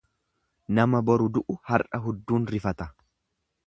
Nama boru du'u har'a hudduun rifati.